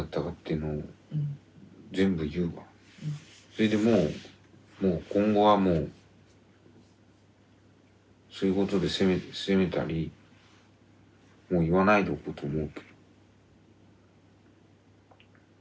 それでもうもう今後はもうそういうことで責めたりもう言わないでおこうと思うけど。